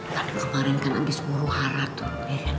tadi kemarin kan abis buruh hara tuh